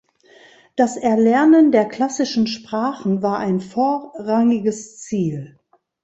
Das Erlernen der klassischen Sprachen war ein vorrangiges Ziel.